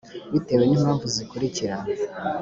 bitewe n impamvu zikurikira